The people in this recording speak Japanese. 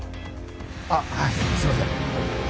あっはいすいません。